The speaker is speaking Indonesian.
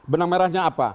benang merahnya apa